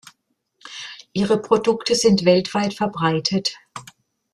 Ihre Produkte sind weltweit verbreitet.